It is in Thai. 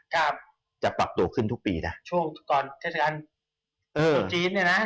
ครับจะปรับตัวขึ้นทุกปีน่ะช่วงตอนเทศกรรมตัวจีนเนี้ยน่ะเออ